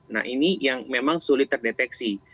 nah ini yang memang sulit terdeteksi